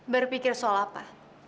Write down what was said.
berpikir soal apa